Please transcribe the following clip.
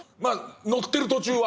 乗ってる途中は？